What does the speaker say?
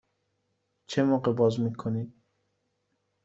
چه موقع باز می کنید؟